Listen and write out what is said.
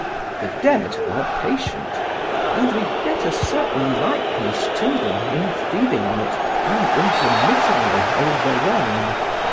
The dead are patient, and we get a certain likeness to them in feeding on it unintermittingly overlong.